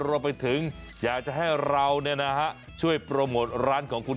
รวมไปถึงอยากจะให้เราช่วยโปรโมทร้านของคุณ